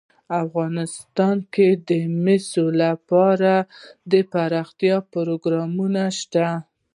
افغانستان کې د مس لپاره دپرمختیا پروګرامونه شته.